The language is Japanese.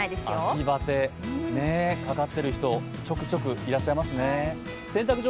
秋バテかかってる人、ちょくちょくいらっしゃいますね。